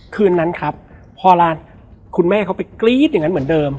คืนนั้นครับพอลานคุณแม่เขาไปกรี๊ดอย่างนั้นเหมือนเดิม